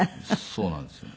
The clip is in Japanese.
そうなんですよね。